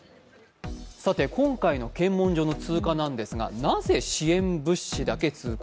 今回の検問所の通過なんですがなぜ支援物資だけ通過？